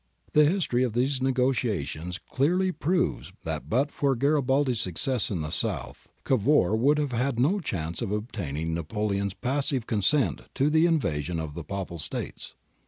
^ The history of these negotiations clearly proves that but for Garibaldi's successes in the South, Cavour would have had no chance of obtaining Napoleon's passive con sent to the invasion of the Papal States.